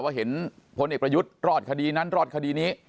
เห็นพลเอกประยุทธ์รอดคดีนั้นรอดคดีนี้